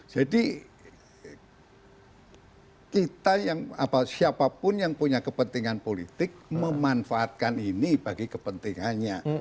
jadi kita yang apa siapapun yang punya kepentingan politik memanfaatkan ini bagi kepentingan politik